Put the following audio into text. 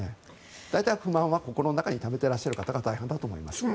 大体、不満は心の中にためてらっしゃる方が大半だと思います。